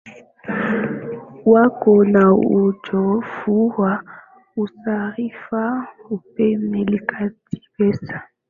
wako na uzoefu wa usafiri umelipatia pesa